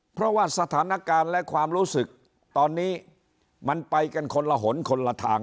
เพราะว่าสถานการณ์และความรู้สึกตอนนี้มันไปกันคนละหนคนละทาง